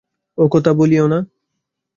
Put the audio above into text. ও কথা বলিয়ো না।